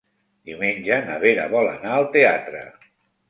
Diumenge na Vera vol anar al teatre.